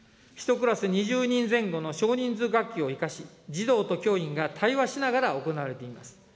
１クラス２０人前後の少人数学級を生かし、児童と教員が対話しながら行われています。